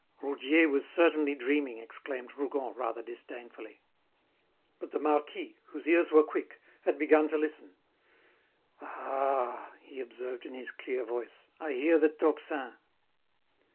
"Roudier was certainly dreaming," exclaimed Rougon, rather disdainfully. But the marquis, whose ears were quick, had begun to listen. "Ah!" he observed in his clear voice, "I hear the tocsin."